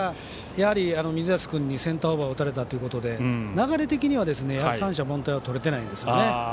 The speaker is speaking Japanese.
やはり水安君にセンターオーバーを打たれたということで流れ的には三者凡退をとれてないですね。